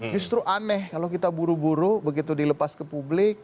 justru aneh kalau kita buru buru begitu dilepas ke publik